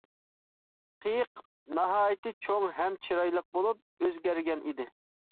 قېيىق ناھايىتى چوڭ ھەم چىرايلىق بولۇپ ئۆزگەرگەن ئىدى.